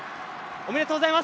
おめでとうございます。